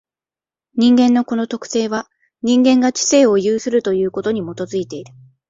人間のこの特性は、人間が知性を有するということに基いている。